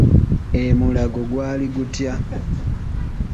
E Mulago gwali gutya?